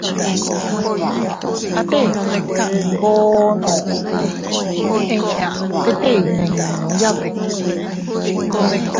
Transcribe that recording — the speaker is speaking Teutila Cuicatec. Atee iyngoono inña tete iyninuya biku.